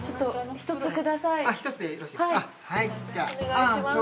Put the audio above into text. １つでよろしいですか？